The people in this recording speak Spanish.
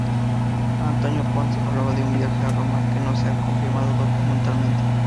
Antonio Ponz hablaba de un viaje a Roma que no se ha confirmado documentalmente.